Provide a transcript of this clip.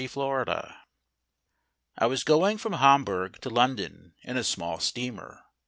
ON THE SEA I WAS going from Hamburg to London in a small steamer.